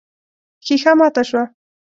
ښيښه ماته شوه.